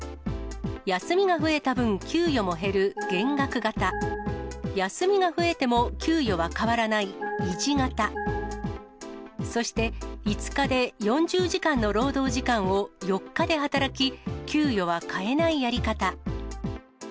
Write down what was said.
休みが増えた分、給与も減る減額型、休みが増えても給与は変わらない維持型、そして５日で４０時間の労働時間を４日で働き、給与は変えないやり方。